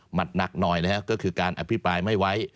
หนักหน่อยนะครับก็คือการอภิปรายไม่ไว้